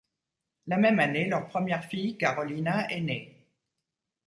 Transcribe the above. La même année, leur première fille Karolina est née.